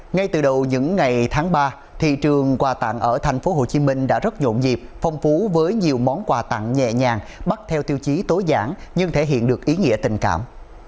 ngay từ đầu những ngày tháng ba thị trường quà tặng ở thành phố hồ chí minh đã rất nhộn dịp phong phú với nhiều món quà tặng nhẹ nhàng bắt theo tiêu chí tối giảng nhưng thể hiện được ý nghĩa tình cảm